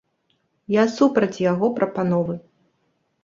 Я супраць яго прапановы.